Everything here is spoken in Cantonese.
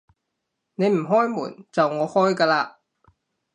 你唔開門，就我開㗎喇